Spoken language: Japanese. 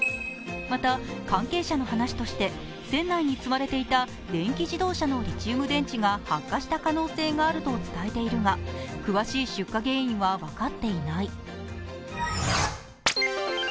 また、関係者の話として、船内に積まれていた電気自動車のリチウム電池が発火した可能性があると伝えているが詳しい出火原因は分かっていない。